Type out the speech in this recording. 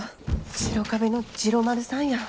白壁の治郎丸さんや。